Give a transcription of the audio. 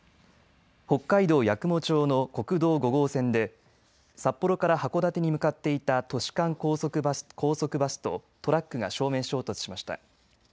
北海道八雲町の国道５号線で札幌から函館に向かっていた都市間高速バスとトラックが正面衝突しました。